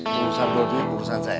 urusan gue dulu urusan saya